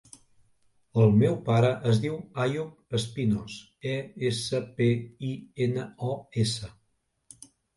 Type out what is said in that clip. El meu pare es diu Àyoub Espinos: e, essa, pe, i, ena, o, essa.